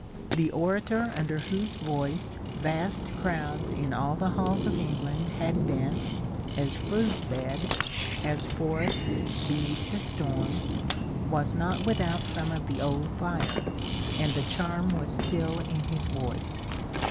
The orator under whose voice vast crowds in all the halls of England had bent, as Froude said, ^^ as forests beneath the storm," was not without some of the old fire, and the charm was still in his voice.